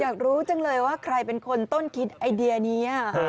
อยากรู้จังเลยว่าใครเป็นคนต้นคิดไอเดียนี้